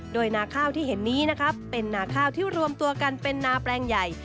โดยนาข้าวที่เห็นนี้นะครับเป็นนาข้าวที่รวมตัวกันเป็นนาแปลงใหญ่